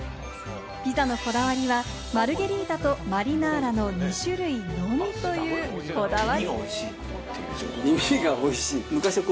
ピザのこだわりはマルゲリータとマリナーラの２種類のみというこだわり。